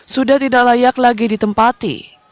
sudah tidak layak lagi ditempati